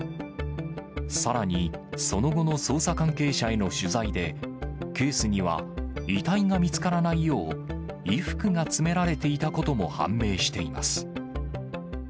さらに、その後の捜査関係者への取材で、ケースには遺体が見つからないよう、衣服が詰められていたことも判明しています。